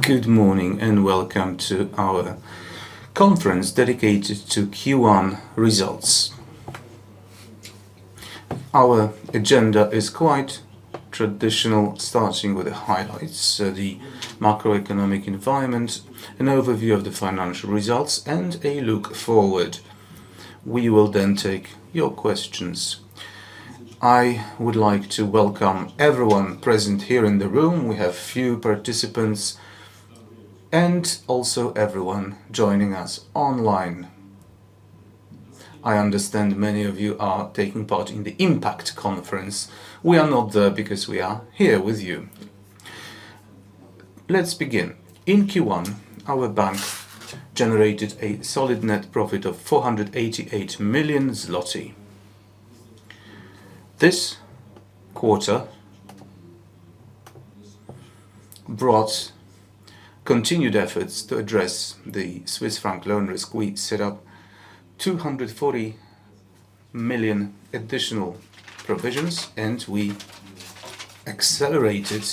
Good morning and welcome to our conference dedicated to Q1 results. Our agenda is quite traditional, starting with the highlights, the macroeconomic environment, an overview of the financial results, and a look forward. We will then take your questions. I would like to welcome everyone present here in the room, we have a few participants, and also everyone joining us online. I understand many of you are taking part in the Impact Conference. We are not there because we are here with you. Let's begin. In Q1, our bank generated a solid net profit of 488 million zloty. This quarter brought continued efforts to address the Swiss franc loan risk. We set up 240 million additional provisions, and we accelerated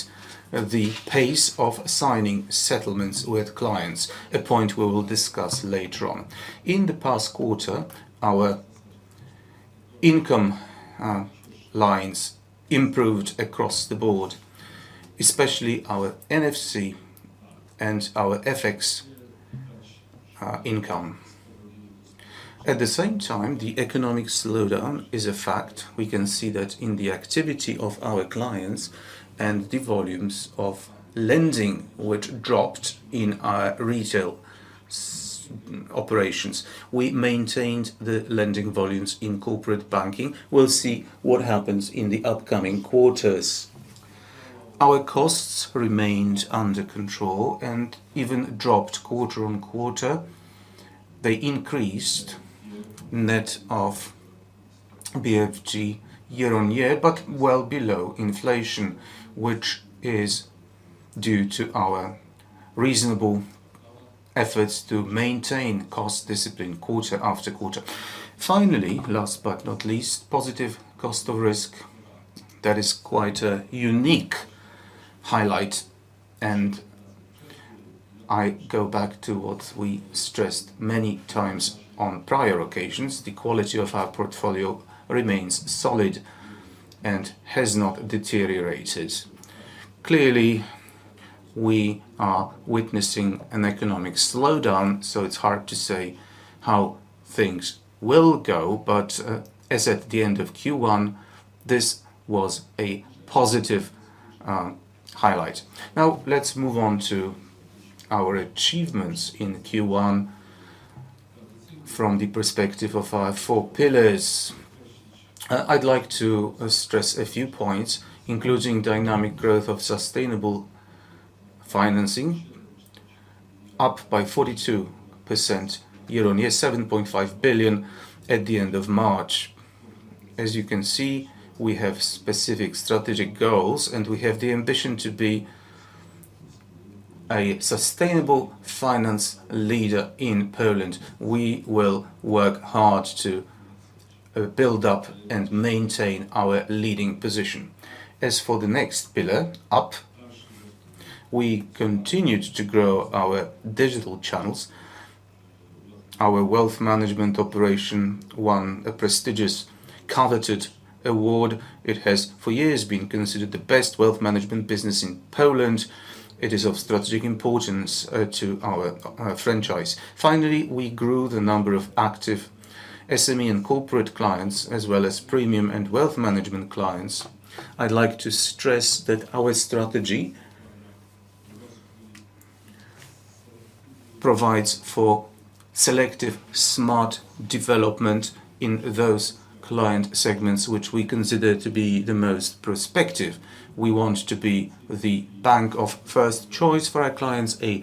the pace of signing settlements with clients, a point we will discuss later on. In the past quarter, our income lines improved across the board, especially our NFC and our FX income. At the same time, the economic slowdown is a fact. We can see that in the activity of our clients and the volumes of lending which dropped in our retail operations. We maintained the lending volumes in corporate banking. We'll see what happens in the upcoming quarters. Our costs remained under control and even dropped quarter-on-quarter. They increased net of BGF year-on-year, but well below inflation, which is due to our reasonable efforts to maintain cost discipline quarter after quarter. Last but not least, positive cost of risk. That is quite a unique highlight, and I go back to what we stressed many times on prior occasions. The quality of our portfolio remains solid and has not deteriorated. Clearly, we are witnessing an economic slowdown, so it's hard to say how things will go, but as at the end of Q1, this was a positive highlight. Let's move on to our achievements in Q1 from the perspective of our 4 pillars. I'd like to stress a few points, including dynamic growth of sustainable financing, up by 42% year-on-year, 7.5 billion at the end of March. You can see, we have specific strategic goals, and we have the ambition to be a sustainable finance leader in Poland. We will work hard to build up and maintain our leading position. For the next pillar, we continued to grow our digital channels. Our wealth management operation won a prestigious, coveted award. It has for years been considered the best wealth management business in Poland. It is of strategic importance to our franchise. Finally, we grew the number of active SME and corporate clients, as well as premium and wealth management clients. I'd like to stress that our strategy provides for selective, smart development in those client segments which we consider to be the most prospective. We want to be the bank of first choice for our clients, a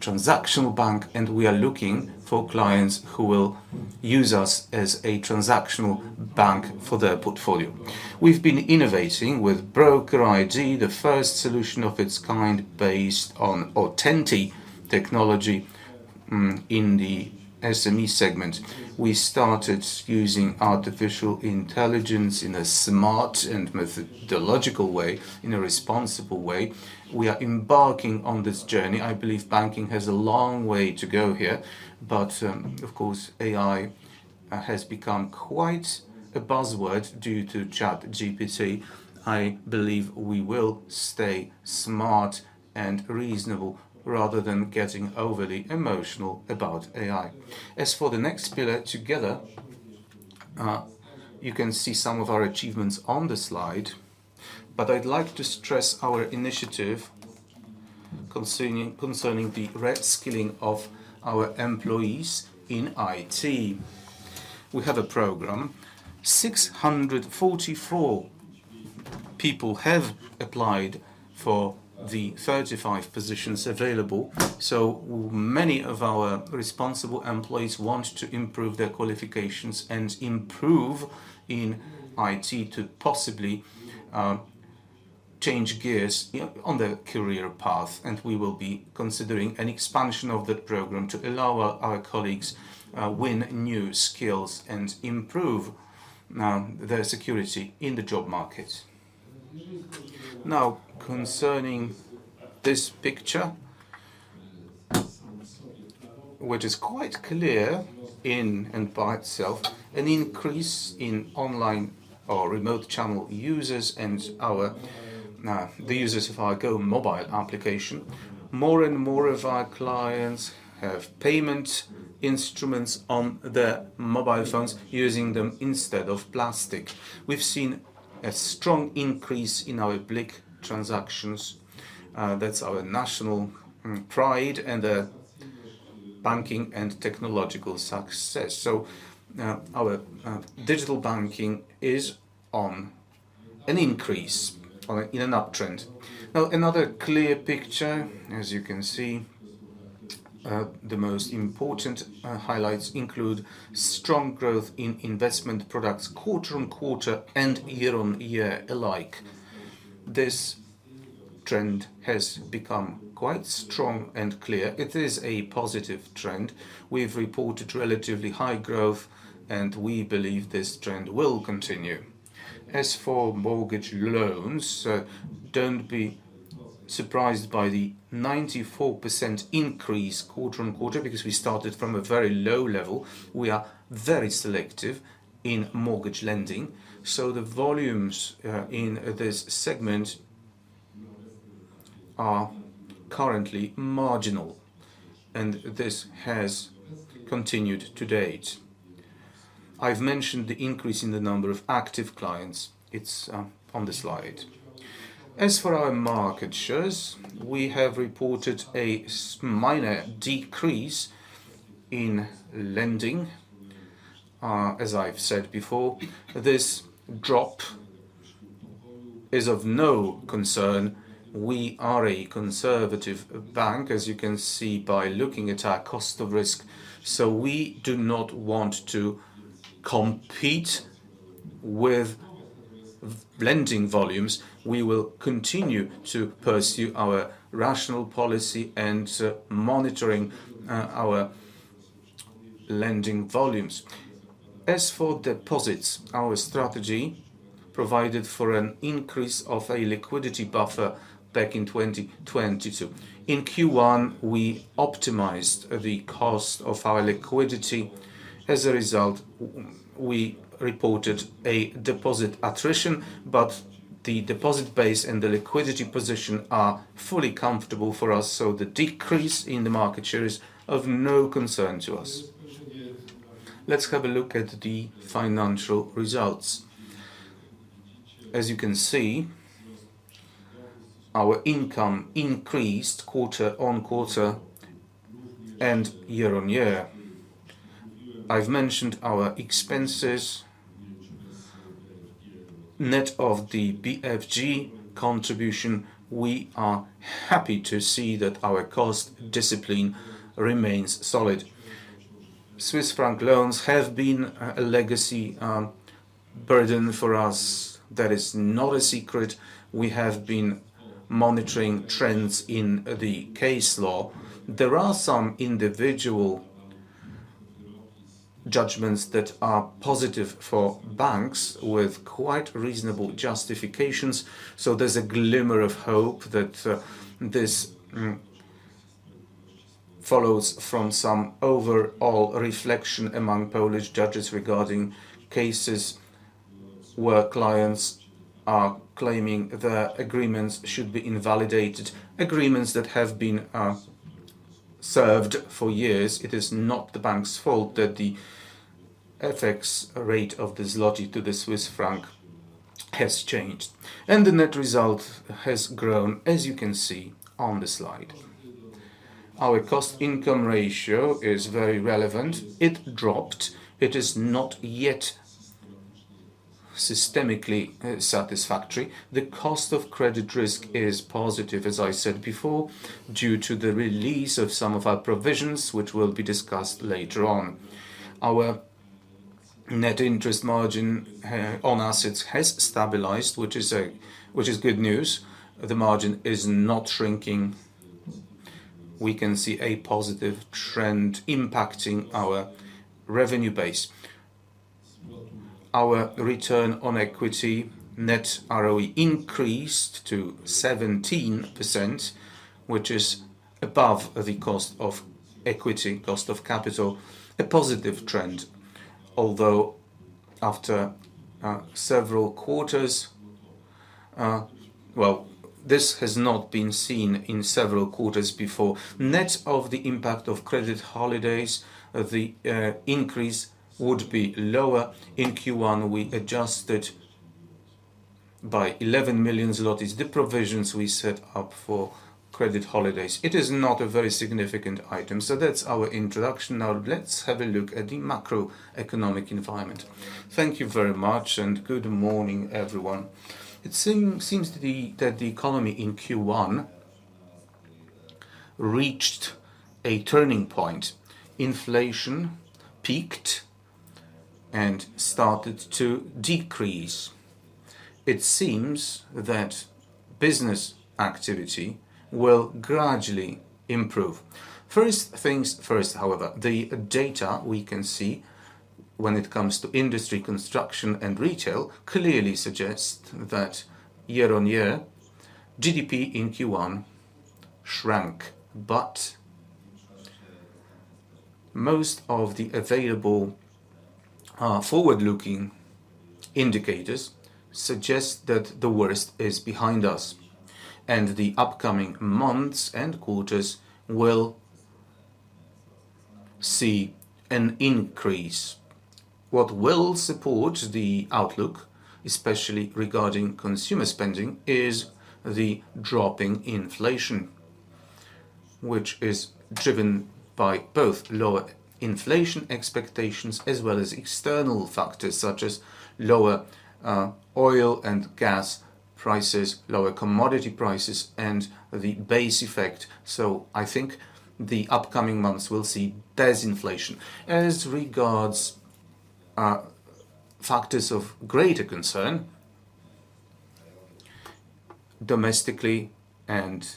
transactional bank. We are looking for clients who will use us as a transactional bank for their portfolio. We've been innovating with Broker ID, the first solution of its kind based on Autenti technology in the SME segment. We started using artificial intelligence in a smart and methodological way, in a responsible way. We are embarking on this journey. I believe banking has a long way to go here. Of course, AI has become quite a buzzword due to ChatGPT. I believe we will stay smart and reasonable rather than getting overly emotional about AI. The next pillar together, you can see some of our achievements on the slide, but I'd like to stress our initiative concerning the reskilling of our employees in IT. We have a program. 644 people have applied for the 35 positions available, so many of our responsible employees want to improve their qualifications and improve in IT to possibly change gears on their career path. We will be considering an expansion of that program to allow our colleagues win new skills and improve their security in the job market. Concerning this picture, which is quite clear in and by itself, an increase in online or remote channel users and the users of our GOmobile application. More and more of our clients have payment instruments on their mobile phones using them instead of plastic. We've seen a strong increase in our BLIK transactions. That's our national pride and banking and technological success. Now our digital banking is on an increase or in an uptrend. Now, another clear picture, as you can see, the most important highlights include strong growth in investment products quarter-on-quarter and year-on-year alike. This trend has become quite strong and clear. It is a positive trend. We've reported relatively high growth, and we believe this trend will continue. As for mortgage loans, don't be surprised by the 94% increase quarter-on-quarter because we started from a very low level. We are very selective in mortgage lending, so the volumes in this segment are currently marginal, and this has continued to date. I've mentioned the increase in the number of active clients. It's on the slide. As for our market shares, we have reported a minor decrease in lending. As I've said before, this drop is of no concern. We are a conservative bank, as you can see by looking at our cost of risk. We do not want to compete with lending volumes. We will continue to pursue our rational policy and monitoring our lending volumes. As for deposits, our strategy provided for an increase of a liquidity buffer back in 2022. In Q1, we optimized the cost of our liquidity. As a result, we reported a deposit attrition. The deposit base and the liquidity position are fully comfortable for us. The decrease in the market share is of no concern to us. Let's have a look at the financial results. As you can see, our income increased quarter-on-quarter and year-on-year. I've mentioned our expenses. Net of the BFG contribution, we are happy to see that our cost discipline remains solid. Swiss franc loans have been a legacy burden for us. That is not a secret. We have been monitoring trends in the case law. There are some individual judgments that are positive for banks with quite reasonable justifications. There's a glimmer of hope that this follows from some overall reflection among Polish judges regarding cases where clients are claiming their agreements should be invalidated, agreements that have been served for years. It is not the bank's fault that the FX rate of the zloty to the Swiss franc has changed. The net result has grown, as you can see on the slide. Our cost income ratio is very relevant. It dropped. It is not yet systemically satisfactory. The cost of credit risk is positive, as I said before, due to the release of some of our provisions, which will be discussed later on. Our net interest margin on assets has stabilized, which is good news. The margin is not shrinking. We can see a positive trend impacting our revenue base. Our return on equity, net ROE increased to 17%, which is above the cost of equity, cost of capital, a positive trend, although after several quarters. Well, this has not been seen in several quarters before. Net of the impact of credit holidays, the increase would be lower. In Q1, we adjusted by 11 million zlotys the provisions we set up for credit holidays. It is not a very significant item. That's our introduction. Now let's have a look at the macroeconomic environment. Thank you very much, good morning, everyone. It seems that the economy in Q1 reached a turning point. Inflation peaked and started to decrease. It seems that business activity will gradually improve. First things first, however, the data we can see when it comes to industry, construction, and retail clearly suggests that year-on-year GDP in Q1 shrank. Most of the available forward-looking indicators suggest that the worst is behind us, and the upcoming months and quarters will see an increase. What will support the outlook, especially regarding consumer spending, is the dropping inflation, which is driven by both lower inflation expectations as well as external factors, such as lower oil and gas prices, lower commodity prices, and the base effect. I think the upcoming months will see disinflation. As regards factors of greater concern, domestically, and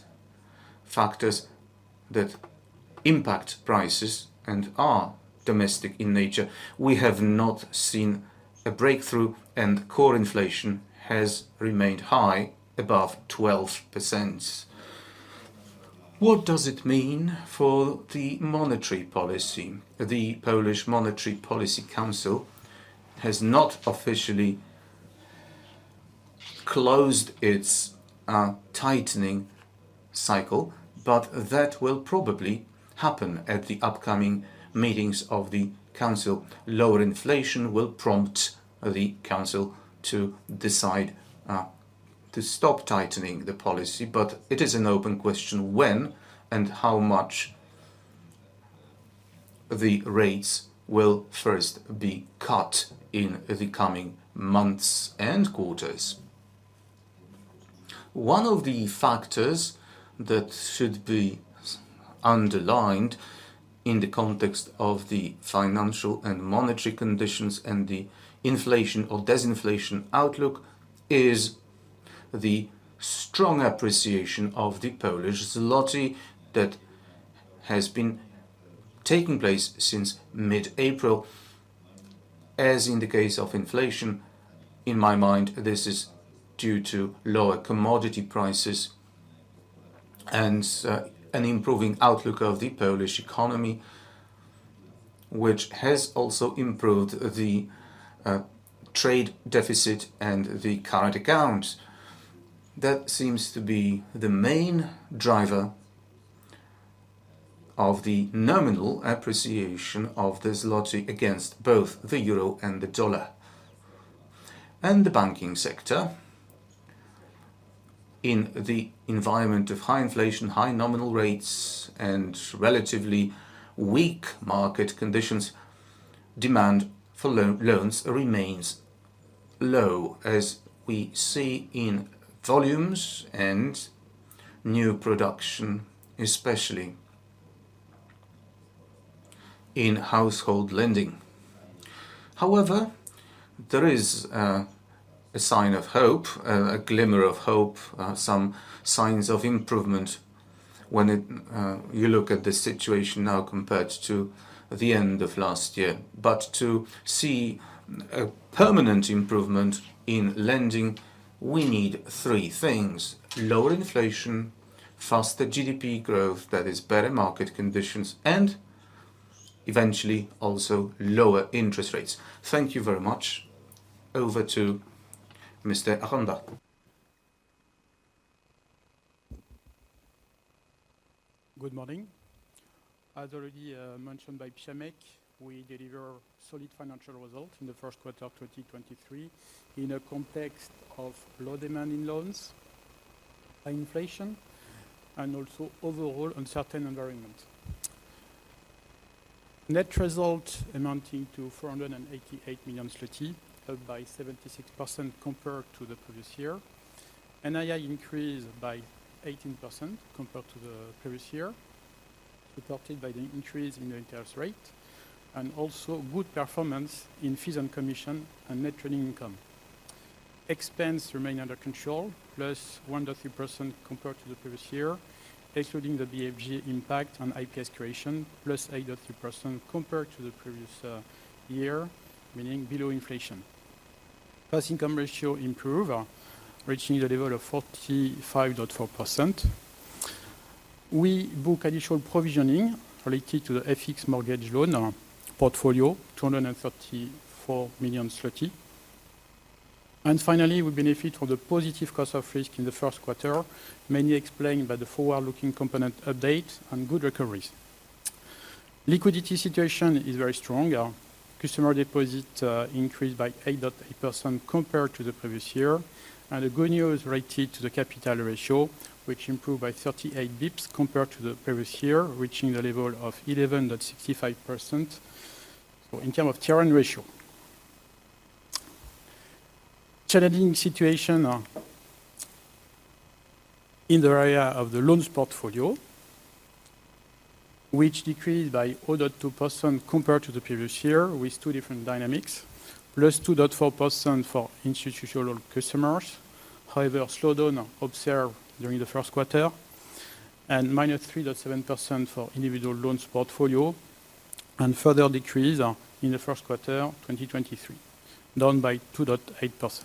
factors that impact prices and are domestic in nature, we have not seen a breakthrough, and core inflation has remained high, above 12%. What does it mean for the monetary policy? The Polish Monetary Policy Council has not officially closed its tightening cycle, but that will probably happen at the upcoming meetings of the council. Lower inflation will prompt the council to decide to stop tightening the policy. It is an open question when and how much the rates will first be cut in the coming months and quarters. One of the factors that should be underlined in the context of the financial and monetary conditions and the inflation or disinflation outlook is the strong appreciation of the Polish zloty that has been taking place since mid-April. As in the case of inflation, in my mind, this is due to lower commodity prices and an improving outlook of the Polish economy, which has also improved the trade deficit and the current account. That seems to be the main driver of the nominal appreciation of the zloty against both the euro and the dollar. The banking sector. In the environment of high inflation, high nominal rates, and relatively weak market conditions, demand for loans remains low, as we see in volumes and new production, especially in household lending. However, there is a sign of hope, a glimmer of hope, some signs of improvement when you look at the situation now compared to the end of last year. To see a permanent improvement in lending, we need three things: lower inflation, faster GDP growth that is better market conditions, and eventually also lower interest rates. Thank you very much. Over to Mr. Aranda. Good morning. As already mentioned by Przemek, we deliver solid financial results in the first quarter of 2023 in a context of low demand in loans and inflation, and also overall uncertain environment. Net result amounting to 488 million zloty, up by 76% compared to the previous year. NII increased by 18% compared to the previous year, supported by the increase in the interest rate, and also good performance in fees and commission and net trading income. Expense remain under control, +1.3% compared to the previous year, excluding the BFG impact on IPS creation, +8.3% compared to the previous year, meaning below inflation. Plus income ratio improve, reaching the level of 45.4%. We book additional provisioning related to the FX mortgage loan portfolio, 234 million zloty. Finally, we benefit from the positive cost of risk in the first quarter, mainly explained by the forward-looking component updates and good recoveries. Liquidity situation is very strong. Customer deposit increased by 8.8% compared to the previous year. The good news related to the capital ratio, which improved by 38 basis points compared to the previous year, reaching the level of 11.65% in term of Tier 1 ratio. Challenging situation in the area of the loans portfolio, which decreased by 0.2% compared to the previous year with two different dynamics, +2.4% for institutional customers. However, slowdown observed during the first quarter. -3.7% for individual loans portfolio, and further decrease in the first quarter 2023, down by 2.8%.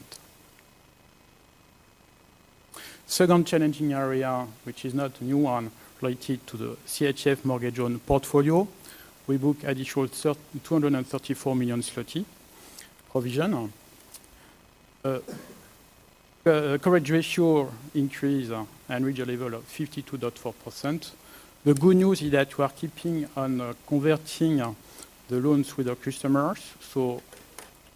Second challenging area, which is not new one related to the CHF mortgage loan portfolio. We book additional CHF 234 million provision. The coverage ratio increase and reach a level of 52.4%. The good news is that we are keeping on converting the loans with our customers.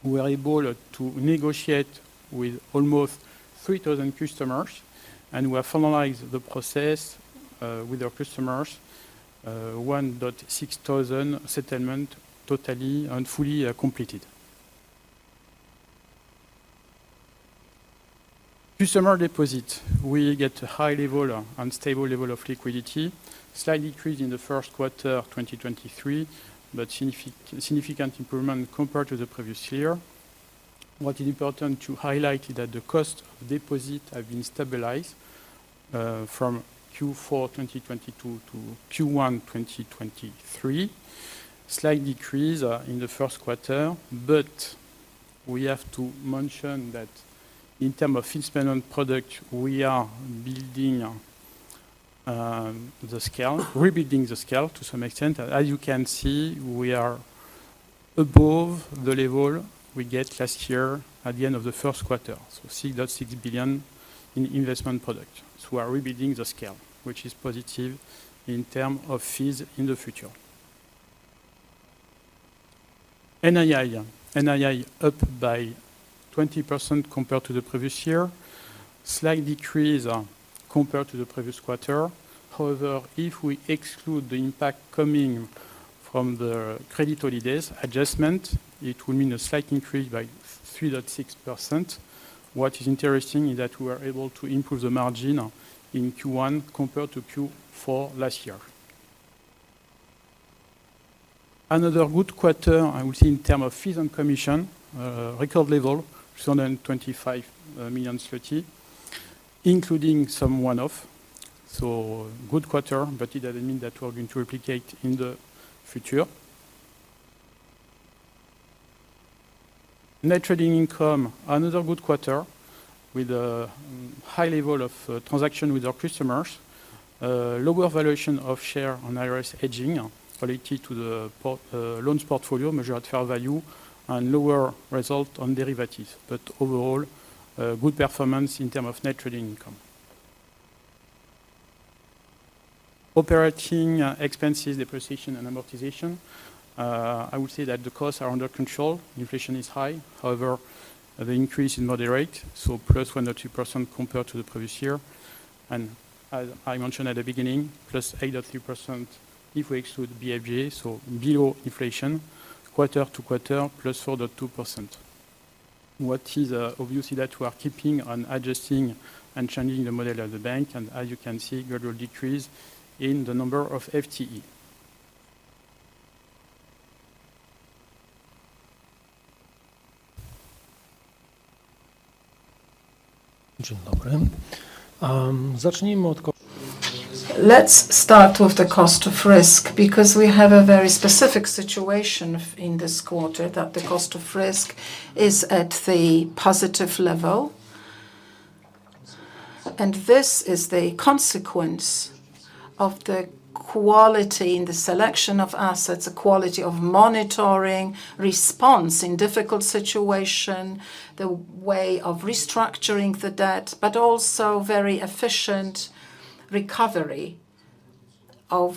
We are able to negotiate with almost 3,000 customers, and we have finalized the process with our customers, 1,600 settlement totally and fully completed. Customer deposit, we get high level and stable level of liquidity. Slight decrease in the first quarter 2023, significant improvement compared to the previous year. What is important to highlight is that the cost of deposit have been stabilized from Q4 2022 to Q1 2023. Slight decrease in the first quarter, but we have to mention that in term of fees spent on product, we are building the scale, rebuilding the scale to some extent. As you can see, we are above the level we get last year at the end of the first quarter, so 6.6 billion in investment product. We are rebuilding the scale, which is positive in term of fees in the future. NII. NII up by 20% compared to the previous year. Slight decrease compared to the previous quarter. However, if we exclude the impact coming from the credit holidays adjustment, it would mean a slight increase by 3.6%. What is interesting is that we are able to improve the margin in Q1 compared to Q4 last year. Another good quarter, I would say, in term of fees and commission, record level, 225 million, including some one-off. Good quarter, but it doesn't mean that we're going to replicate in the future. Net trading income, another good quarter with a high level of transaction with our customers. Lower valuation of share on IRS hedging related to the loans portfolio measured at fair value and lower result on derivatives. Overall, a good performance in term of net trading income. Operating expenses, depreciation and amortization, I would say that the costs are under control. Inflation is high, however, the increase is moderate, so +1.2% compared to the previous year. As I mentioned at the beginning, +8.3% if we exclude BGF, so below inflation. Quarter-over-quarter, +4.2%. What is, obviously that we are keeping on adjusting and changing the model of the bank, as you can see, gradual decrease in the number of FTE. Let's start with the cost of risk, because we have a very specific situation in this quarter that the cost of risk is at the positive level. This is the consequence of the quality in the selection of assets, the quality of monitoring, response in difficult situation, the way of restructuring the debt, but also very efficient recovery of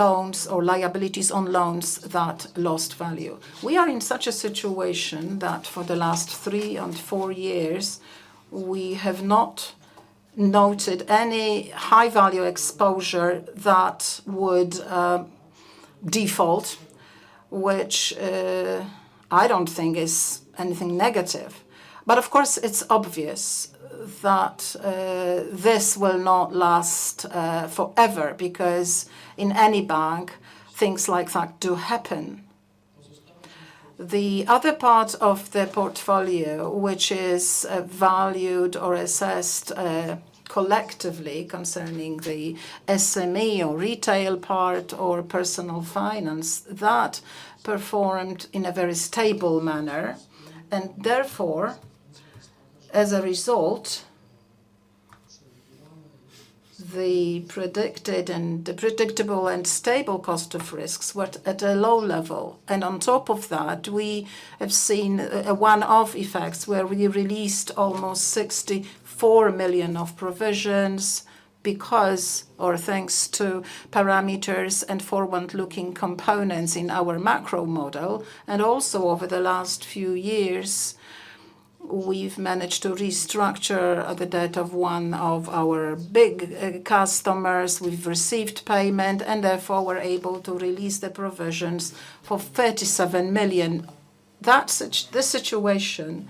loans or liabilities on loans that lost value. We are in such a situation that for the last three and four years, we have not noted any high-value exposure that would default, which I don't think is anything negative. Of course, it's obvious that this will not last forever, because in any bank, things like that do happen. The other part of the portfolio, which is valued or assessed collectively concerning the SME or retail part or personal finance, that performed in a very stable manner. Therefore, as a result, the predicted and the predictable and stable cost of risks were at a low level. On top of that, we have seen a one-off effects where we released almost 64 million of provisions because, or thanks to parameters and forward-looking components in our macro model. Also over the last few years, we've managed to restructure the debt of one of our big customers. We've received payment, and therefore, we're able to release the provisions for 37 million. This situation,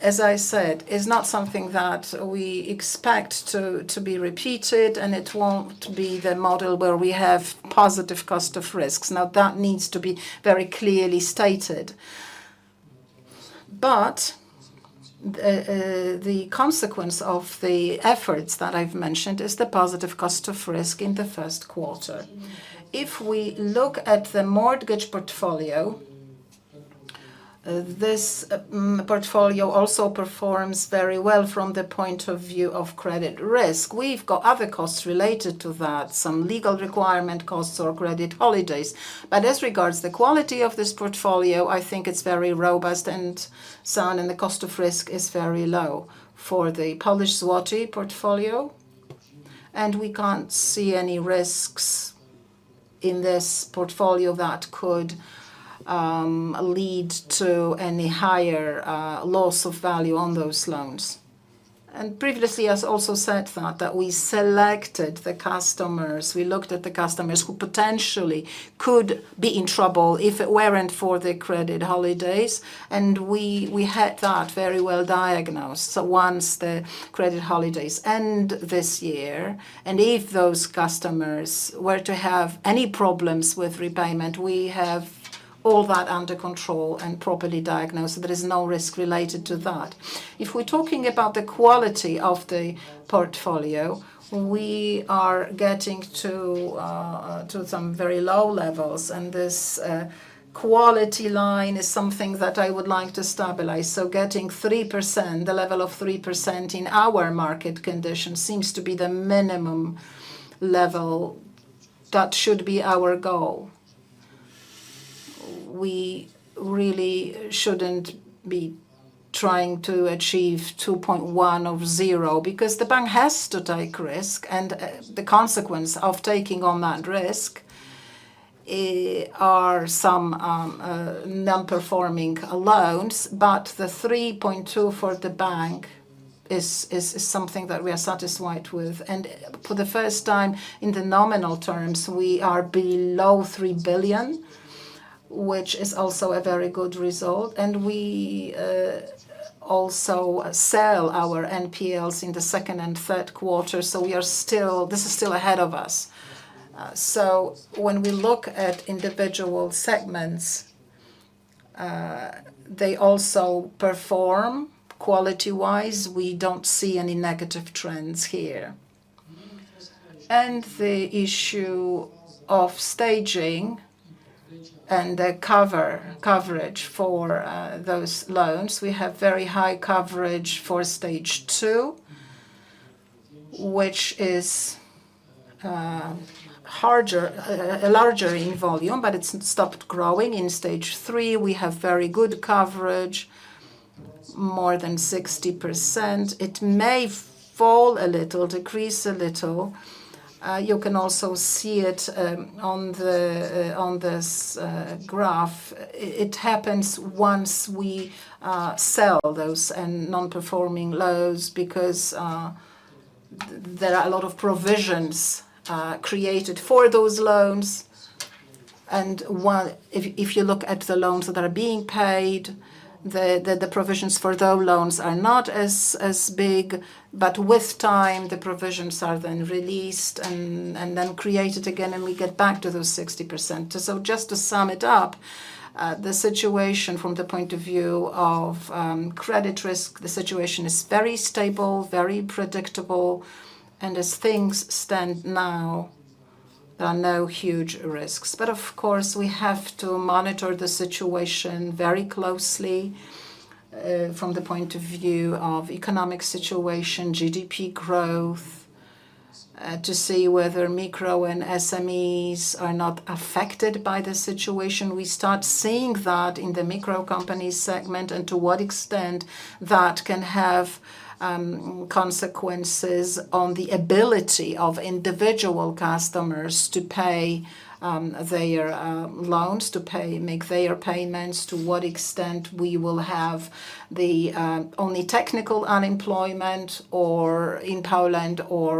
as I said, is not something that we expect to be repeated, and it won't be the model where we have positive cost of risks. Now, that needs to be very clearly stated. The consequence of the efforts that I've mentioned is the positive cost of risk in the first quarter. If we look at the mortgage portfolio, this portfolio also performs very well from the point of view of credit risk. We've got other costs related to that, some legal requirement costs or credit holidays. As regards the quality of this portfolio, I think it's very robust and sound, and the cost of risk is very low for the Polish zloty portfolio. We can't see any risks in this portfolio that could lead to any higher loss of value on those loans. Previously, as also said that we selected the customers, we looked at the customers who potentially could be in trouble if it weren't for the credit holidays. We had that very well diagnosed. Once the credit holidays end this year, and if those customers were to have any problems with repayment, we have all that under control and properly diagnosed. There is no risk related to that. If we're talking about the quality of the portfolio, we are getting to some very low levels. This quality line is something that I would like to stabilize. Getting 3%, the level of 3% in our market condition seems to be the minimum level that should be our goal. We really shouldn't be trying to achieve 2.10%, because the bank has to take risk, and the consequence of taking on that risk are some non-performing loans. The 3.2% for the bank is something that we are satisfied with. For the first time, in the nominal terms, we are below 3 billion, which is also a very good result. We also sell our NPLs in the second and third quarter, so this is still ahead of us. When we look at individual segments, they also perform quality-wise. We don't see any negative trends here. The issue of staging and the coverage for those loans, we have very high coverage for stage two, which is harder, larger in volume, but it's stopped growing. In stage three, we have very good coverage, more than 60%. It may fall a little, decrease a little. You can also see it on the on this graph. It happens once we sell those non-performing loans because there are a lot of provisions created for those loans. While if you look at the loans that are being paid, the provisions for those loans are not as big. With time, the provisions are then released and then created again, and we get back to those 60%. Just to sum it up, the situation from the point of view of credit risk, the situation is very stable, very predictable. As things stand now, there are no huge risks. Of course, we have to monitor the situation very closely, from the point of view of economic situation, GDP growth, to see whether micro and SMEs are not affected by the situation. We start seeing that in the micro company segment and to what extent that can have consequences on the ability of individual customers to pay their loans, make their payments, to what extent we will have the only technical unemployment or in Poland or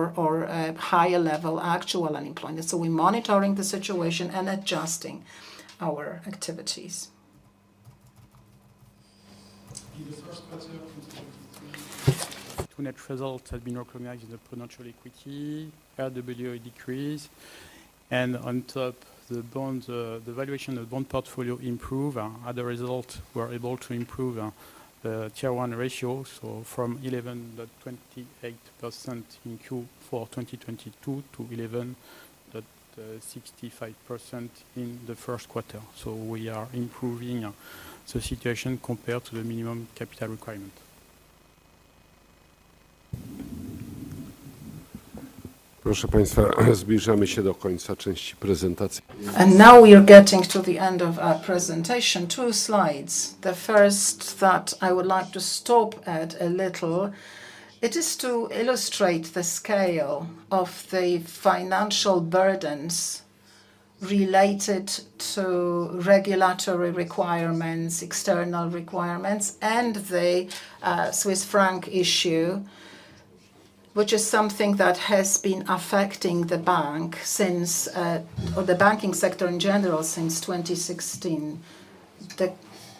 a higher level actual unemployment. We're monitoring the situation and adjusting our activities. In the first quarter of 2022, two net results have been recognized in the financial equity. RWA decrease. On top the bonds, the valuation of bond portfolio improve. As a result, we're able to improve the Tier 1 ratio. From 11.28% in Q4 2022 to 11.65% in the first quarter. We are improving the situation compared to the minimum capital requirement. Now we are getting to the end of our presentation. Two slides. The first that I would like to stop at a little, it is to illustrate the scale of the financial burdens related to regulatory requirements, external requirements, and the Swiss franc issue, which is something that has been affecting the bank since or the banking sector in general since 2016. The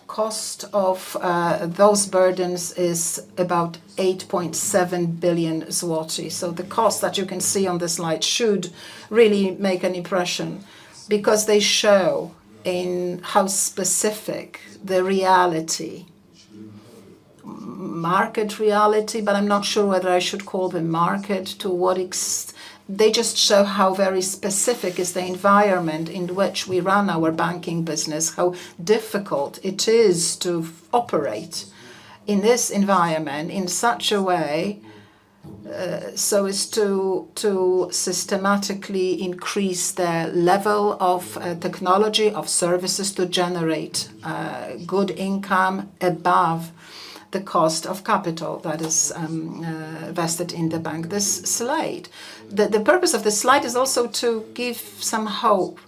cost of those burdens is about 8.7 billion zloty. The cost that you can see on this slide should really make an impression because they show in how specific the Market reality. They just show how very specific is the environment in which we run our banking business, how difficult it is to operate in this environment in such a way, so as to systematically increase the level of technology of services to generate good income above the cost of capital that is vested in the bank. The purpose of this slide is also to give some hope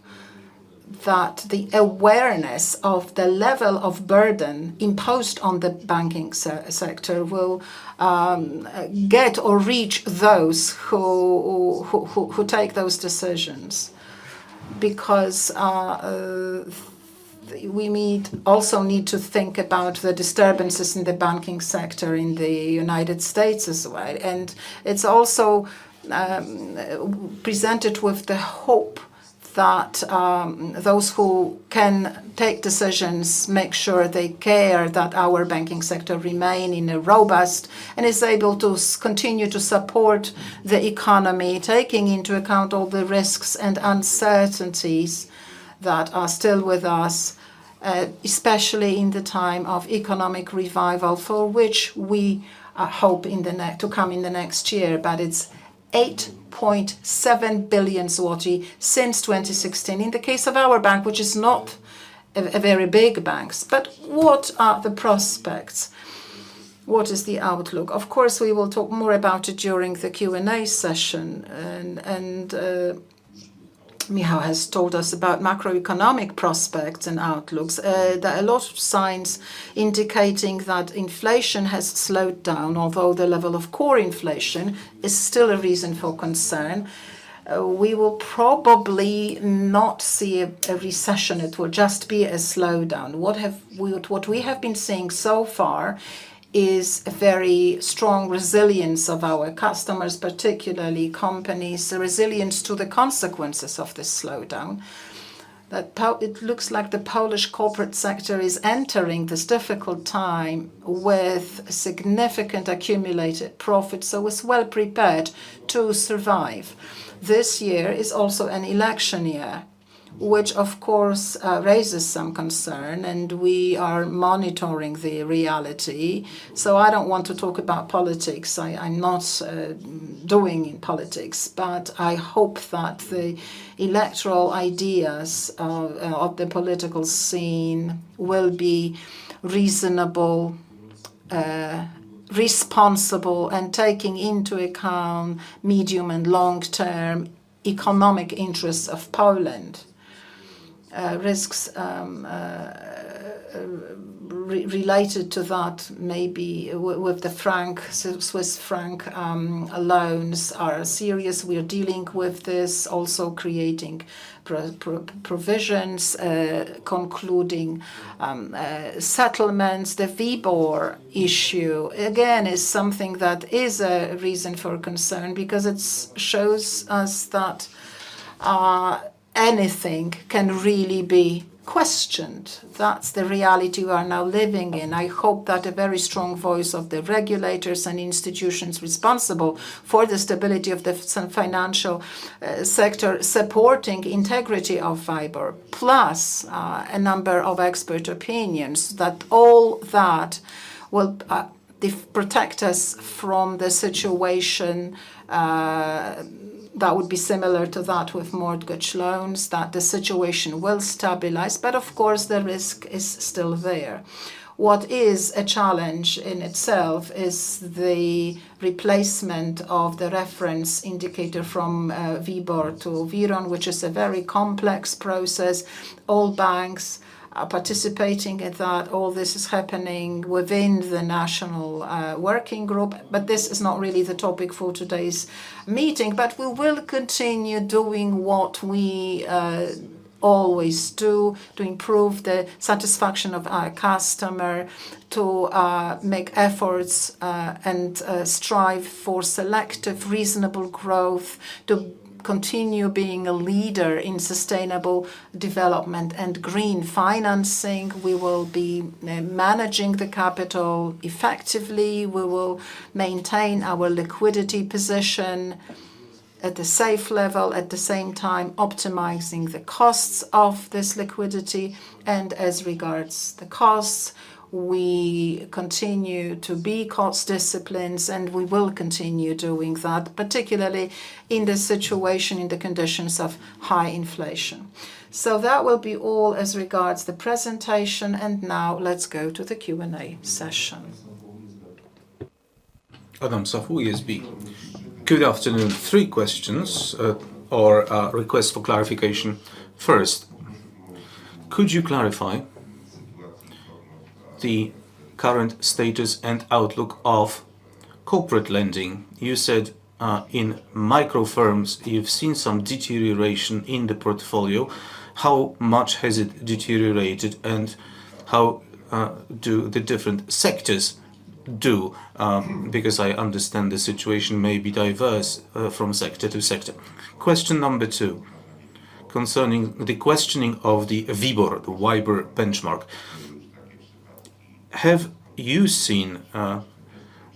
that the awareness of the level of burden imposed on the banking sector will get or reach those who take those decisions. We also need to think about the disturbances in the banking sector in the United States as well. It's also presented with the hope that those who can take decisions make sure they care that our banking sector remain in a robust and is able to continue to support the economy, taking into account all the risks and uncertainties that are still with us, especially in the time of economic revival for which we hope to come in the next year. It's 8.7 billion zloty since 2016 in the case of our bank, which is not a very big banks. What are the prospects? What is the outlook? Of course, we will talk more about it during the Q&A session. Michal has told us about macroeconomic prospects and outlooks. There are a lot of signs indicating that inflation has slowed down, although the level of core inflation is still a reason for concern. We will probably not see a recession. It will just be a slowdown. What we have been seeing so far is a very strong resilience of our customers, particularly companies, a resilience to the consequences of this slowdown. It looks like the Polish corporate sector is entering this difficult time with significant accumulated profits, so it's well prepared to survive. This year is also an election year, which of course, raises some concern, and we are monitoring the reality. I don't want to talk about politics. I'm not doing politics. I hope that the electoral ideas of the political scene will be reasonable, responsible and taking into account medium and long-term economic interests of Poland. Risks related to that maybe with the Swiss franc loans are serious. We are dealing with this, also creating provisions, concluding settlements. The WIBOR issue, again, is something that is a reason for concern because it shows us that anything can really be questioned. That's the reality we are now living in. I hope that a very strong voice of the regulators and institutions responsible for the stability of the financial sector supporting integrity of WIBOR, plus, a number of expert opinions, that all that will protect us from the situation that would be similar to that with mortgage loans, that the situation will stabilize. Of course, the risk is still there. What is a challenge in itself is the replacement of the reference indicator from WIBOR to WIRON, which is a very complex process. All banks are participating in that. All this is happening within the national working group. This is not really the topic for today's meeting. We will continue doing what we always do to improve the satisfaction of our customer, to make efforts and strive for selective reasonable growth, to continue being a leader in sustainable development and green financing. We will be managing the capital effectively. We will maintain our liquidity position at a safe level, at the same time optimizing the costs of this liquidity. As regards the costs, we continue to be cost-disciplined, and we will continue doing that, particularly in this situation, in the conditions of high inflation. That will be all as regards the presentation. Now let's go to the Q&A session. Adam Szafra, ISB. Good afternoon. 3 questions or requests for clarification. First, could you clarify the current status and outlook of corporate lending? You said in micro firms, you've seen some deterioration in the portfolio. How much has it deteriorated, and how do the different sectors do? I understand the situation may be diverse from sector to sector. Question number 2. Concerning the questioning of the WIBOR, the WIBOR benchmark. Have you seen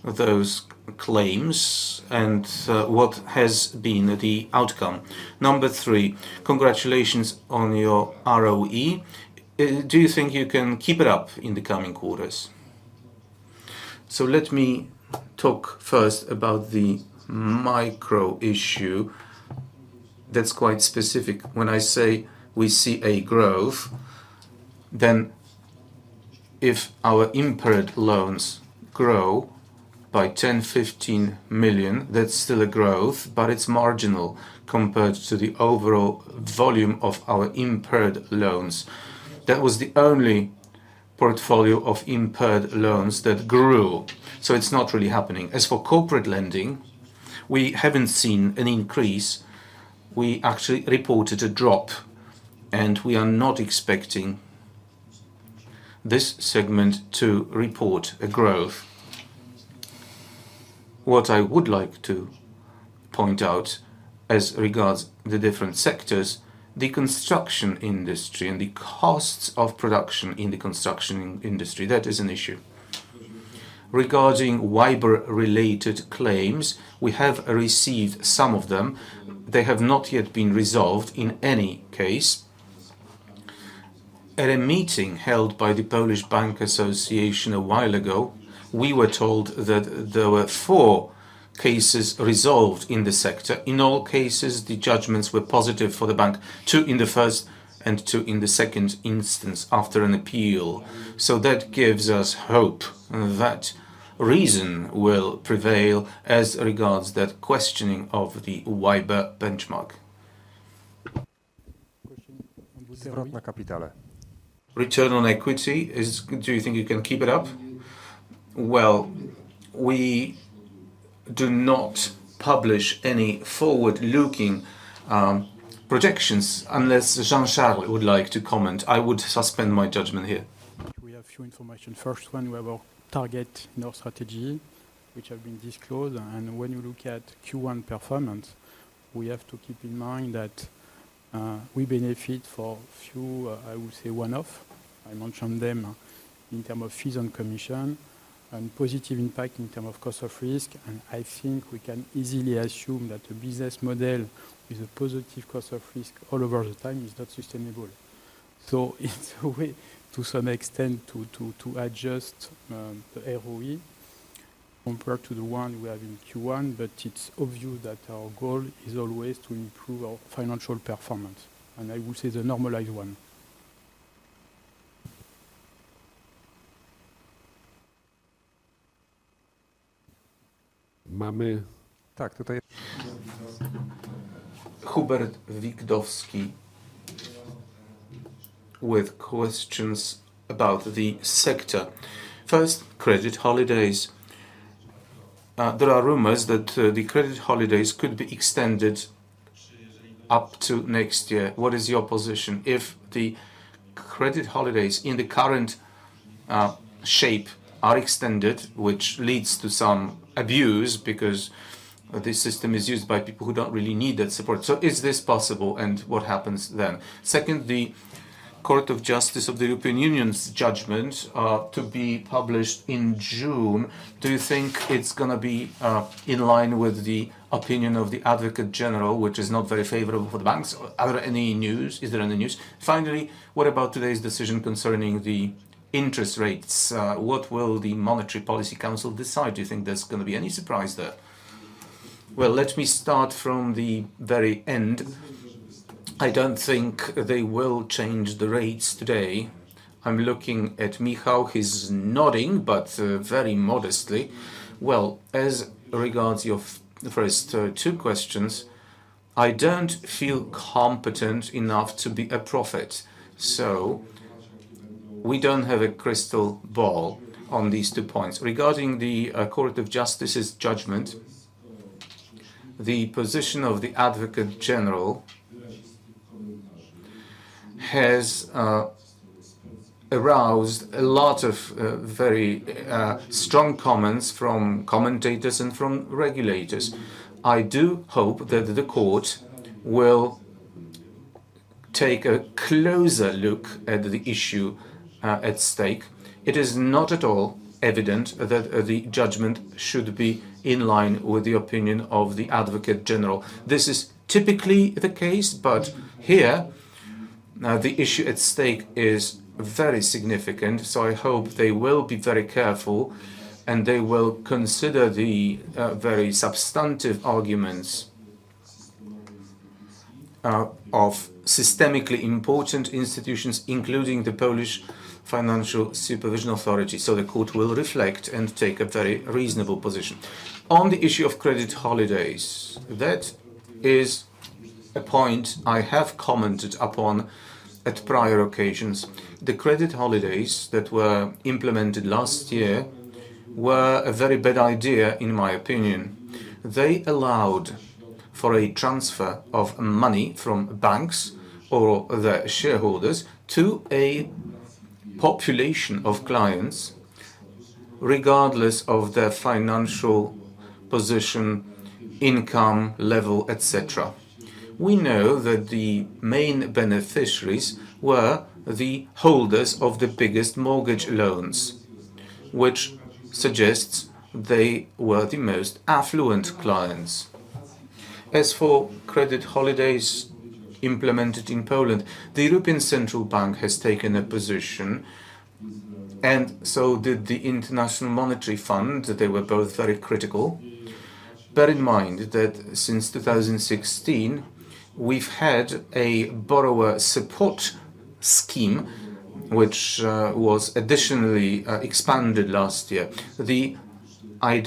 those claims, and so what has been the outcome? Number three, congratulations on your ROE. Do you think you can keep it up in the coming quarters? Let me talk first about the micro issue that's quite specific. If our impaired loans grow by 10 million, 15 million, that's still a growth, but it's marginal compared to the overall volume of our impaired loans. That was the only portfolio of impaired loans that grew. It's not really happening. As for corporate lending, we haven't seen an increase. We actually reported a drop. We are not expecting this segment to report a growth. What I would like to point out as regards the different sectors, the construction industry and the costs of production in the construction industry, that is an issue. Regarding WIBOR-related claims, we have received some of them. They have not yet been resolved in any case. At a meeting held by the Polish Bank Association a while ago, we were told that there were four cases resolved in the sector. In all cases, the judgments were positive for the bank, two in the first and two in the second instance after an appeal. That gives us hope that reason will prevail as regards that questioning of the WIBOR benchmark. Return on equity is. Do you think you can keep it up? We do not publish any forward-looking projections unless Jean-Charles would like to comment. I would suspend my judgment here. We have few information. First one, we have our target in our strategy, which have been disclosed. When you look at Q1 performance, we have to keep in mind that we benefit for few, I would say one-off. I mentioned them in terms of fees and commission and positive impact in terms of cost of risk. I think we can easily assume that a business model with a positive cost of risk all over the time is not sustainable. It's a way to some extent to adjust the ROE compared to the one we have in Q1. It's obvious that our goal is always to improve our financial performance, and I would say the normalized one. Hubert Wikowski with questions about the sector. First, credit holidays. There are rumors that the credit holidays could be extended up to next year. What is your position if the credit holidays in the current shape are extended, which leads to some abuse because this system is used by people who don't really need that support? Is this possible, and what happens then? Second, the Court of Justice of the European Union's judgment to be published in June, do you think it's gonna be in line with the opinion of the Advocate General, which is not very favorable for the banks? Are there any news? Is there any news? Finally, what about today's decision concerning the interest rates? What will the Monetary Policy Council decide? Do you think there's gonna be any surprise there? Well, let me start from the very end. I don't think they will change the rates today. I'm looking at Michal. He's nodding but very modestly. As regards your first two questions, I don't feel competent enough to be a prophet. We don't have a crystal ball on these two points. Regarding the Court of Justice's judgment, the position of the Advocate General has aroused a lot of very strong comments from commentators and from regulators. I do hope that the court will take a closer look at the issue at stake. It is not at all evident that the judgment should be in line with the opinion of the Advocate General. This is typically the case, but here, the issue at stake is very significant, so I hope they will be very careful, and they will consider the very substantive arguments of systemically important institutions, including the Polish Financial Supervision Authority. The court will reflect and take a very reasonable position. On the issue of credit holidays, that is a point I have commented upon at prior occasions. The credit holidays that were implemented last year were a very bad idea, in my opinion. They allowed for a transfer of money from banks or their shareholders to a population of clients, regardless of their financial position, income level, et cetera. We know that the main beneficiaries were the holders of the biggest mortgage loans, which suggests they were the most affluent clients. As for credit holidays implemented in Poland, the European Central Bank has taken a position, and so did the International Monetary Fund. They were both very critical. Bear in mind that since 2016, we've had a Borrower Support Fund, which was additionally expanded last year. There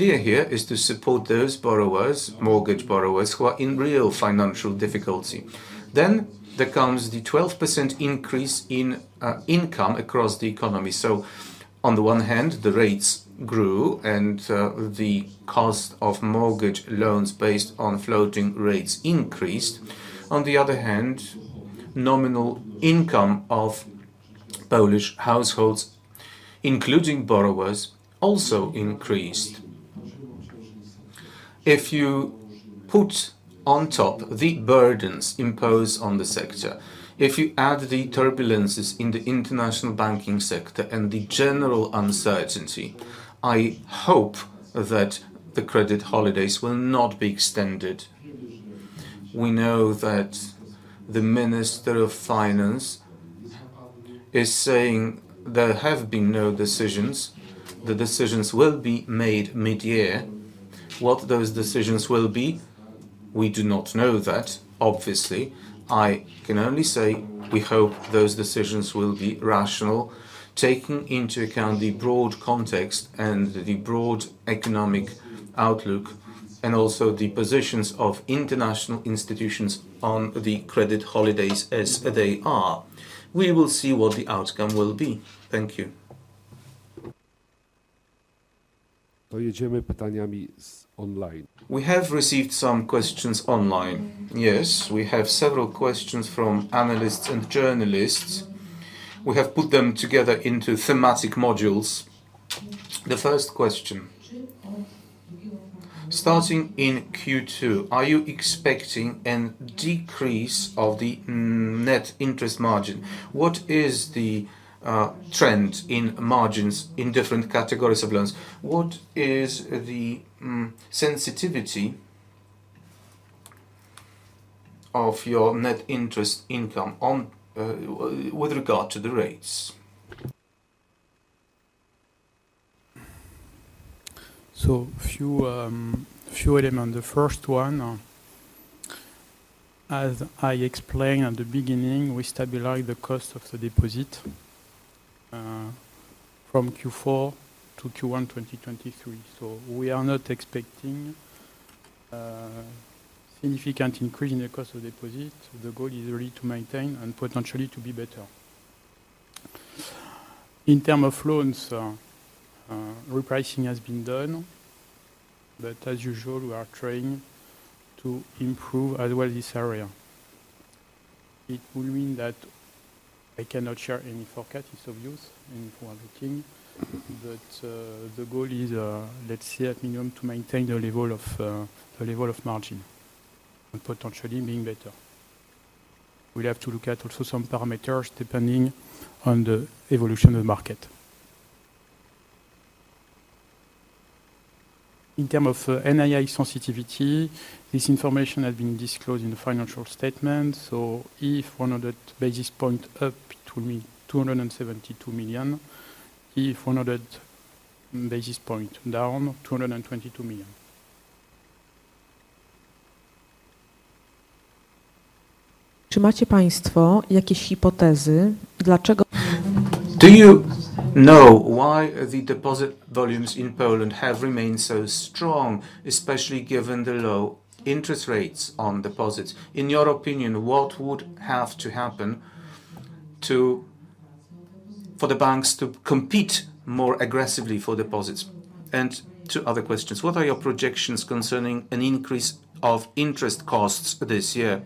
comes the 12% increase in income across the economy. On the one hand, the rates grew and the cost of mortgage loans based on floating rates increased. On the other hand, nominal income of Polish households, including borrowers, also increased. If you put on top the burdens imposed on the sector, if you add the turbulences in the international banking sector and the general uncertainty, I hope that the credit holidays will not be extended. We know that the Minister of Finance is saying there have been no decisions. The decisions will be made mid-year. What those decisions will be, we do not know that, obviously. I can only say we hope those decisions will be rational, taking into account the broad context and the broad economic outlook, and also the positions of international institutions on the credit holidays as they are. We will see what the outcome will be. Thank you. We have received some questions online. Yes, we have several questions from analysts and journalists. We have put them together into thematic modules. The first question. Starting in Q2, are you expecting an decrease of the net interest margin? What is the trend in margins in different categories of loans? What is the sensitivity of your net interest income on with regard to the rates? A few item. On the first one, as I explained at the beginning, we stabilize the cost of the deposit, from Q4 to Q1, 2023. We are not expecting significant increase in the cost of deposit. The goal is really to maintain and potentially to be better. In term of loans, repricing has been done, but as usual, we are trying to improve as well this area. It will mean that I cannot share any forecast. It's obvious and for everything. The goal is, let's say, at minimum to maintain the level of margin and potentially being better. We'll have to look at also some parameters, depending on the evolution of the market. In term of NII sensitivity, this information has been disclosed in the financial statement. If 100 basis point up, it will be 272 million. If 100 basis point down, PLN 222 million. Do you know why the deposit volumes in Poland have remained so strong, especially given the low interest rates on deposits? In your opinion, what would have to happen for the banks to compete more aggressively for deposits? 2 other questions. What are your projections concerning an increase of interest costs this year?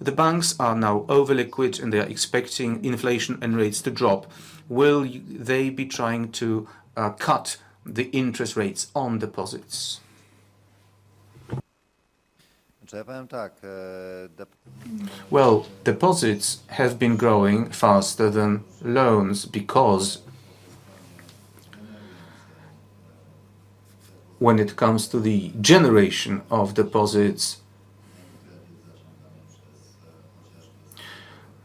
The banks are now over-liquid, and they are expecting inflation and rates to drop. Will they be trying to cut the interest rates on deposits? Well, deposits have been growing faster than loans because when it comes to the generation of deposits,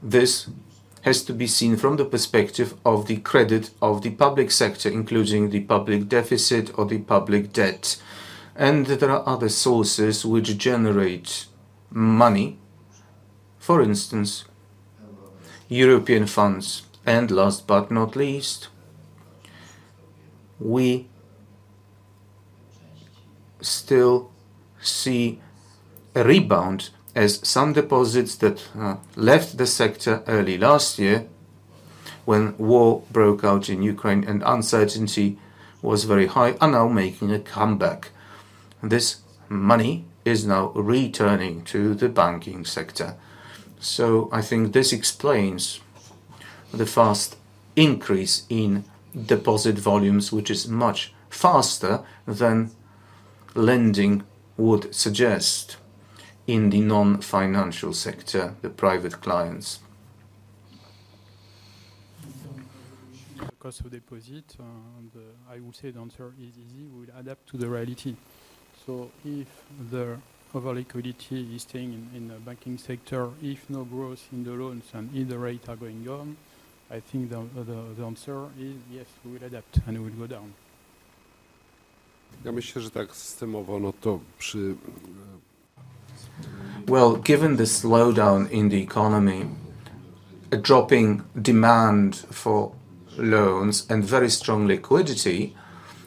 this has to be seen from the perspective of the credit of the public sector, including the public deficit or the public debt. There are other sources which generate money, for instance, European funds. Last but not least, we still see a rebound as some deposits that left the sector early last year when war broke out in Ukraine and uncertainty was very high are now making a comeback. This money is now returning to the banking sector. I think this explains the fast increase in deposit volumes, which is much faster than lending would suggest in the non-financial sector, the private clients. The cost of deposit, I would say the answer is easy. If the over liquidity is staying in the banking sector, if no growth in the loans and either rate are going down, I think the answer is yes, we will adapt and it will go down. Well, given the slowdown in the economy, a dropping demand for loans and very strong liquidity,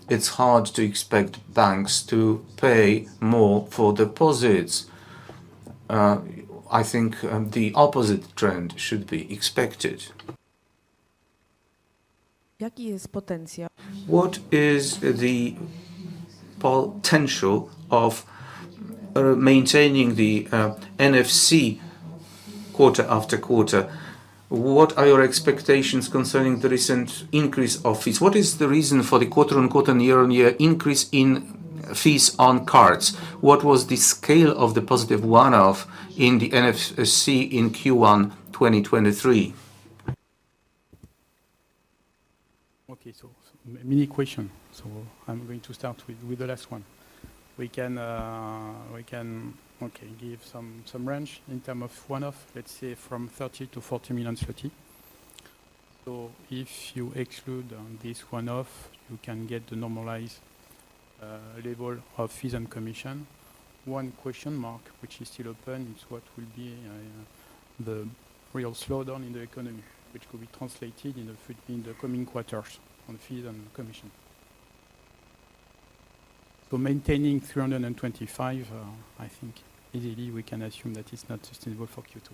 it's hard to expect banks to pay more for deposits. I think the opposite trend should be expected. What is the potential of maintaining the NFC quarter after quarter? What are your expectations concerning the recent increase of fees? What is the reason for the quarter-over-quarter and year-over-year increase in fees on cards? What was the scale of the positive one-off in the NFC in Q1 2023? Okay. Many question. I'm going to start with the last one. We can okay, give some range in term of one-off, let's say from 30 million-40 million. If you exclude this one-off, you can get the normalized level of fees and commission. One question mark, which is still open, is what will be the real slowdown in the economy, which could be translated in the coming quarters on fees and commission. Maintaining 325, I think easily we can assume that it's not sustainable for Q2.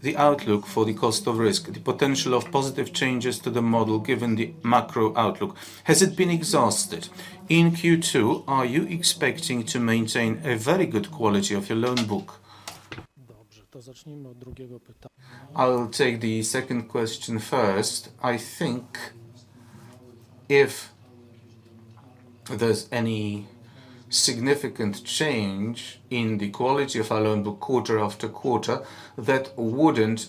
The outlook for the cost of risk, the potential of positive changes to the model given the macro outlook. Has it been exhausted? In Q2, are you expecting to maintain a very good quality of your loan book? I'll take the second question first. I think if there's any significant change in the quality of our loan book quarter after quarter, that wouldn't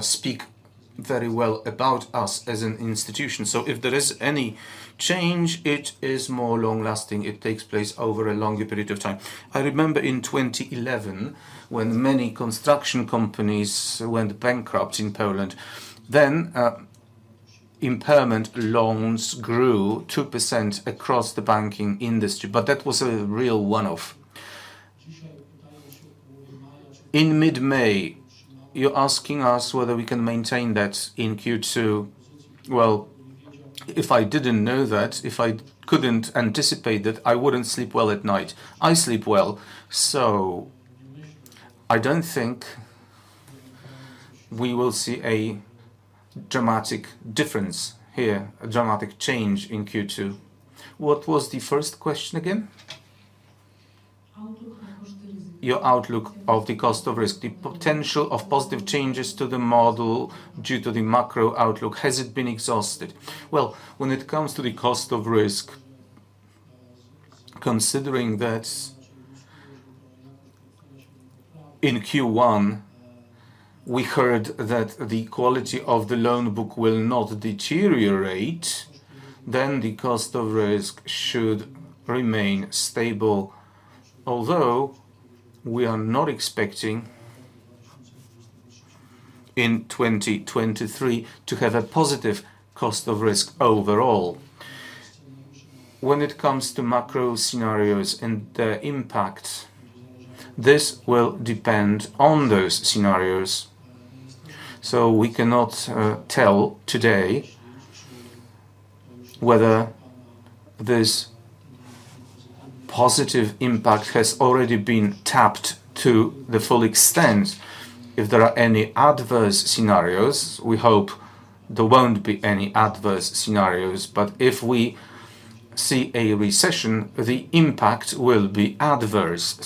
speak very well about us as an institution. If there is any change, it is more long-lasting. It takes place over a longer period of time. I remember in 2011, when many construction companies went bankrupt in Poland, impairment loans grew 2% across the banking industry, but that was a real one-off. In mid-May, you're asking us whether we can maintain that in Q2. Well, if I didn't know that, if I couldn't anticipate that, I wouldn't sleep well at night. I sleep well. I don't think we will see a dramatic difference here, a dramatic change in Q2. What was the first question again? Outlook of the cost of risk. Your outlook of the cost of risk. The potential of positive changes to the model due to the macro outlook, has it been exhausted? When it comes to the cost of risk, considering that in Q1 we heard that the quality of the loan book will not deteriorate, then the cost of risk should remain stable. We are not expecting in 2023 to have a positive cost of risk overall. When it comes to macro scenarios and their impact, this will depend on those scenarios. We cannot tell today whether this positive impact has already been tapped to the full extent. If there are any adverse scenarios, we hope there won't be any adverse scenarios, but if we see a recession, the impact will be adverse.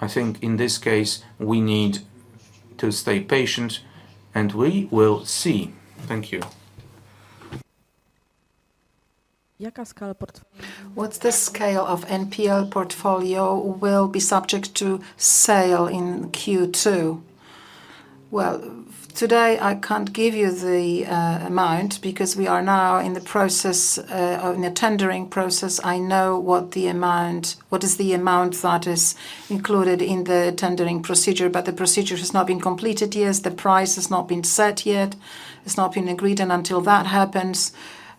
I think in this case, we need to stay patient, and we will see. Thank you. What's the scale of NPL portfolio will be subject to sale in Q2? Today, I can't give you the amount because we are now in the process in a tendering process. I know what is the amount that is included in the tendering procedure, but the procedure has not been completed yet. The price has not been set yet. It's not been agreed, and until that happens,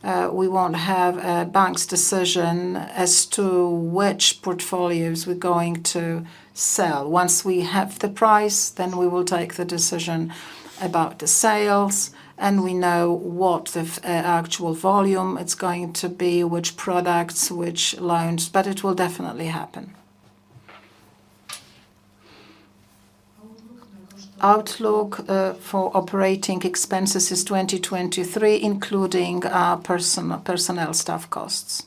we won't have a bank's decision as to which portfolios we're going to sell. Once we have the price, then we will take the decision about the sales, and we know what the actual volume it's going to be, which products, which loans, but it will definitely happen. Outlook for operating expenses is 2023, including personnel staff costs.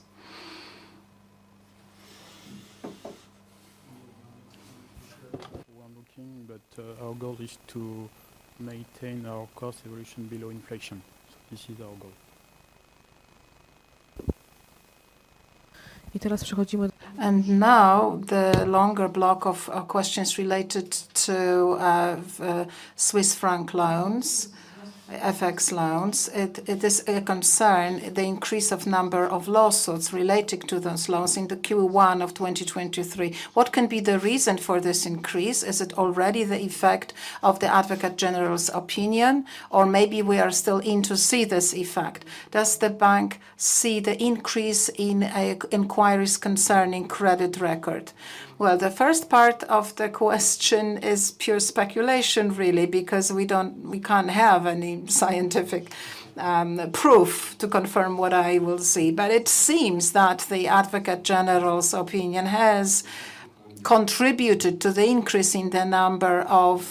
We are looking, but our goal is to maintain our cost evolution below inflation. This is our goal. The longer block of questions related to Swiss franc loans, FX loans. It is a concern the increase of number of lawsuits relating to those loans in the Q1 of 2023. What can be the reason for this increase? Is it already the effect of the Advocate General's opinion, or maybe we are still in to see this effect? Does the bank see the increase in inquiries concerning credit record? Well, the first part of the question is pure speculation really because we can't have any scientific proof to confirm what I will see. It seems that the Advocate General's opinion has contributed to the increase in the number of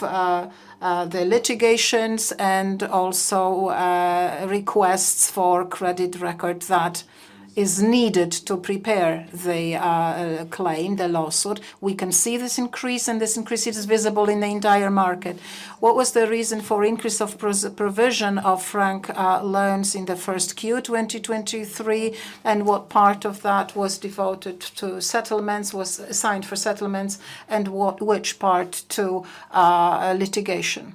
the litigations and also requests for credit record that is needed to prepare the claim, the lawsuit. We can see this increase, and this increase, it is visible in the entire market. What was the reason for increase of provision of Swiss franc loan in the 1st Q 2023, and what part of that was devoted to settlements, was assigned for settlements, and which part to litigation?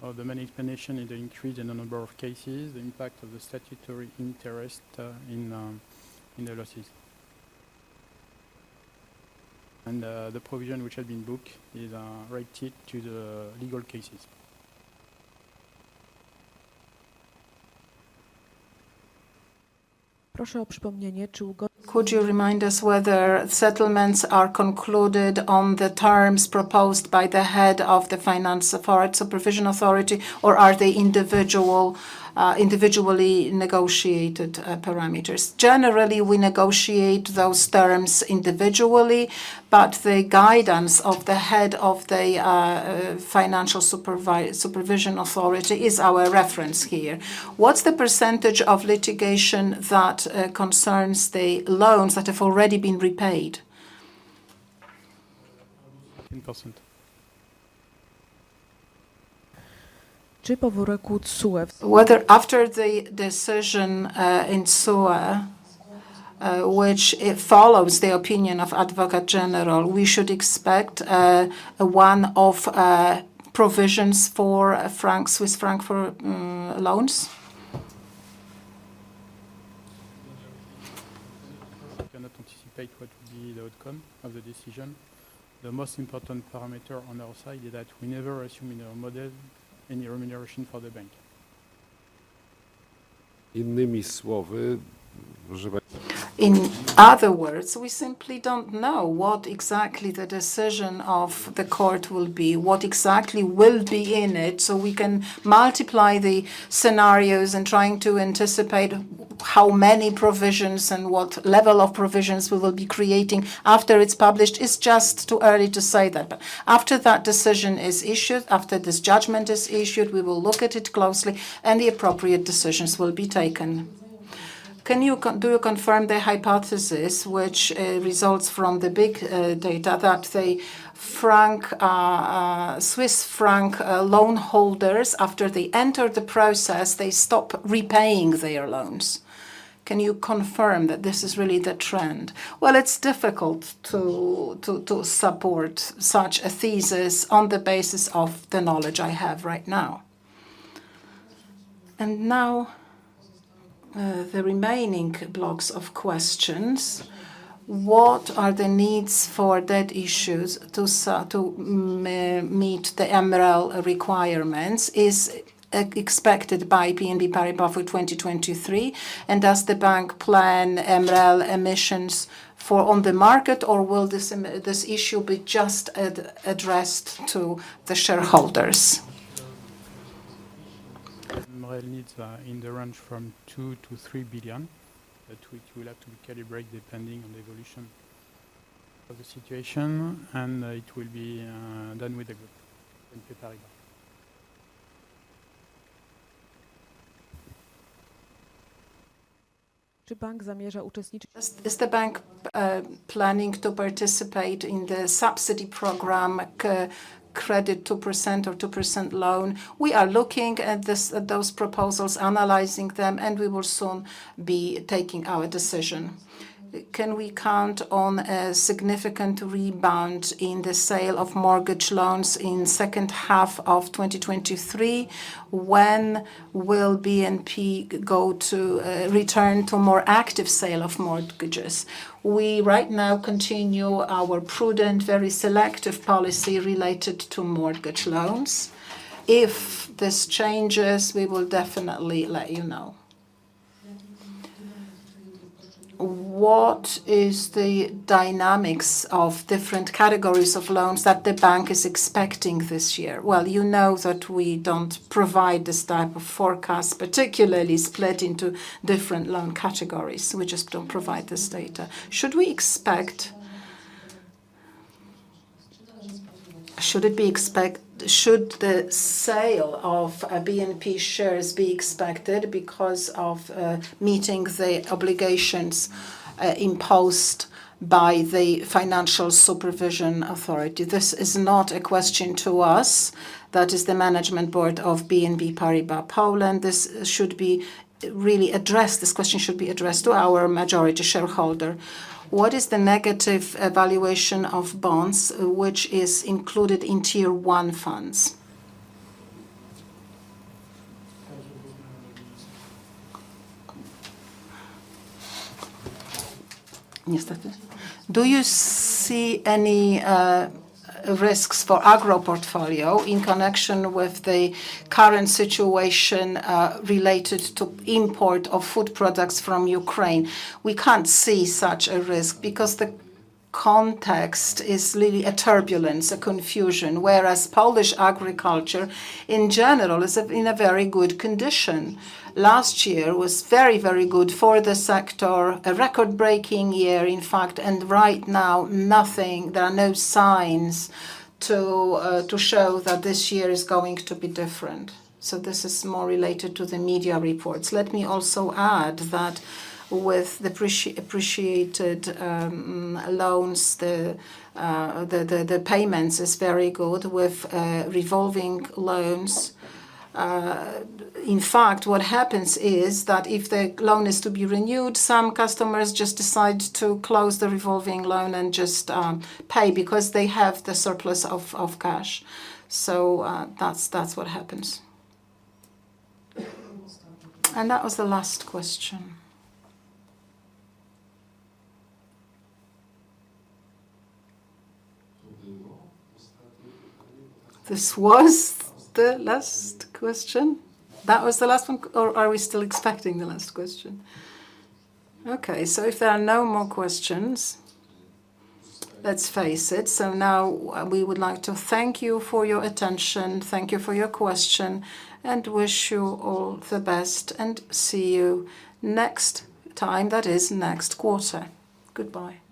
provided, the main explanation in the increase in the number of cases, the impact of the statutory interest, in the losses. The provision which had been booked is related to the legal cases. Could you remind us whether settlements are concluded on the terms proposed by the head of the Financial Supervision Authority or are they individual, individually negotiated parameters? Generally, we negotiate those terms individually, the guidance of the head of the Financial Supervision Authority is our reference here. What's the percentage of litigation that concerns the loans that have already been repaid? 10%. Whether after the decision, in TSUE, which it follows the opinion of Advocate General, we should expect, one of, provisions for franc, Swiss franc for, loans? We cannot anticipate what will be the outcome of the decision. The most important parameter on our side is that we never assume in our model any remuneration for the bank. In other words, we simply don't know what exactly the decision of the court will be, what exactly will be in it, so we can multiply the scenarios and trying to anticipate how many provisions and what level of provisions we will be creating after it's published. It's just too early to say that. But after that decision is issued, after this judgment is issued, we will look at it closely and the appropriate decisions will be taken. Do you confirm the hypothesis which results from the big data that the franc Swiss franc loan holders, after they enter the process, they stop repaying their loans? Can you confirm that this is really the trend? Well, it's difficult to support such a thesis on the basis of the knowledge I have right now. Now, the remaining blocks of questions. What are the needs for debt issues to meet the MREL requirements? Is expected by BNP Paribas for 2023? Does the bank plan MREL emissions for on the market or will this issue be just addressed to the shareholders? MREL needs are in the range from 2 billion-3 billion, but which will have to be calibrate depending on the evolution of the situation, and it will be done with the group in BNP Paribas. Is the bank planning to participate in the subsidy program, Credit 2% or 2% loan? We are looking at those proposals, analyzing them, and we will soon be taking our decision. Can we count on a significant rebound in the sale of mortgage loans in second half of 2023? When will BNP go to return to more active sale of mortgages? We right now continue our prudent, very selective policy related to mortgage loans. If this changes, we will definitely let you know. What is the dynamics of different categories of loans that the bank is expecting this year? Well, you know that we don't provide this type of forecast, particularly split into different loan categories. We just don't provide this data. Should the sale of BNP shares be expected because of meeting the obligations imposed by the Financial Supervision Authority? This is not a question to us. That is the management board of BNP Paribas Bank Polska. This question should be addressed to our majority shareholder. What is the negative evaluation of bonds which is included in Tier 1 funds? Do you see any risks for agro portfolio in connection with the current situation related to import of food products from Ukraine? We can't see such a risk because the context is really a turbulence, a confusion, whereas Polish agriculture in general is in a very good condition. Last year was very, very good for the sector, a record-breaking year, in fact, right now, nothing, there are no signs to show that this year is going to be different. This is more related to the media reports. Let me also add that with the appreciated loans, the payments is very good with revolving loans. In fact, what happens is that if the loan is to be renewed, some customers just decide to close the revolving loan and just pay because they have the surplus of cash. That's what happens. That was the last question. This was the last question. That was the last one or are we still expecting the last question? Okay, if there are no more questions, let's face it. Now we would like to thank you for your attention, thank you for your question, and wish you all the best and see you next time. That is next quarter. Goodbye.